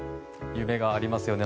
夢がありますよね。